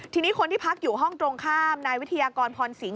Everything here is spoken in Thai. ทีนี้คนที่พักอยู่ห้องตรงข้ามนายวิทยากรพรสิงห